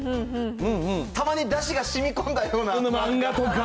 たまにだしがしみこんだような漫画が。